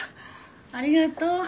ありがとう。